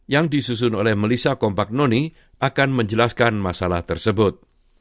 yang disusun oleh melissa compagnoni akan menjelaskan masalah tersebut